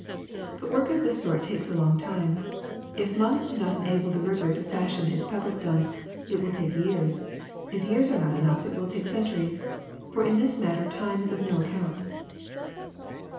But work of this sort takes a long time. If months do not enable the river to fashion its pebble stones, it will take years ; if years are not enough, it will take centuries ; for in this mat ter time is of no account.